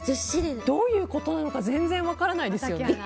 どういうことなのか全然分からないですよね。